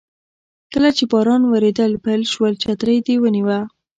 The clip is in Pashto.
کله چې باران وریدل پیل شول چترۍ دې ونیوه.